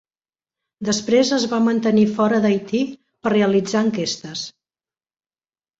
Després es va mantenir fora d'Haití per realitzar enquestes.